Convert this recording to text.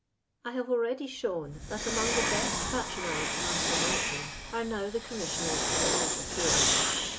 1 have already shown, that among the K^t patronised master nightmen are now *Ji .» Commissioners of the Comt of Sewers.